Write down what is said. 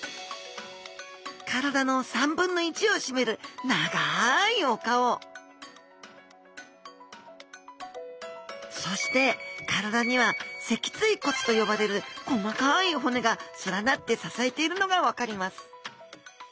体の３分の１を占める長いお顔そして体には脊椎骨と呼ばれる細かい骨が連なって支えているのが分かります